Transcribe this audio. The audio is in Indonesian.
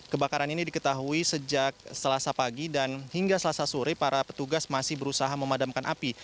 kebakaran ini diketahui sejak selasa pagi dan hingga selasa sore para petugas masih berusaha memadamkan api